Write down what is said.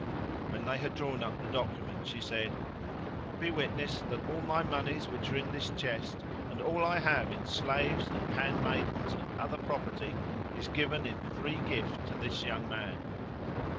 "[FN#551] When they had drawn up the document she said, "Be witness that all my monies which are in this chest and all I have in slaves and handmaidens and other property is given in free gift to this young man."